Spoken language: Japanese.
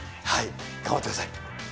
頑張ってください。